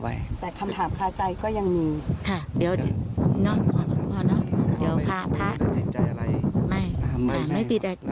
ไม่ไม่ติดใจอะไร